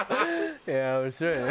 いや面白いね。